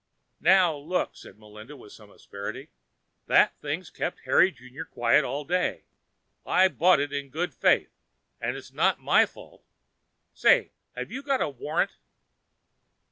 "Now look," said Melinda with some asperity. "That thing's kept Harry Junior quiet all day. I bought it in good faith, and it's not my fault say, have you got a warrant?"